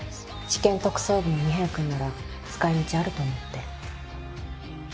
地検特捜部の二瓶くんなら使い道あると思って。